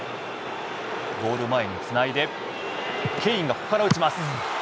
ゴール前につないでケインがここから打ちます。